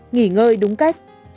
nghỉ ngơi đúng cách